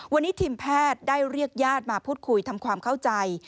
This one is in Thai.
วันนี้ทีมแพทย์ได้เรียกญาติมาพูดคุยทำความเข้าใจ